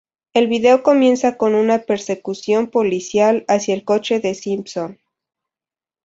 El vídeo comienza con una persecución policial hacia el coche de Simpson.